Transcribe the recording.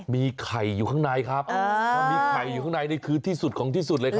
มีไข่อยู่ข้างในครับพอมีไข่อยู่ข้างในนี่คือที่สุดของที่สุดเลยครับ